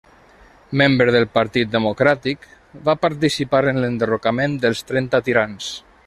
Membre del partit democràtic va participar en l'enderrocament dels Trenta Tirans.